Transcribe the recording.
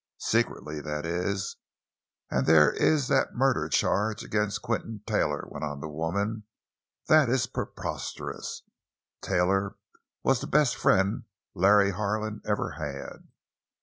Secretly, that is. And there is that murder charge against Quinton Taylor," went on the woman. "That is preposterous! Taylor was the best friend Larry Harlan ever had!"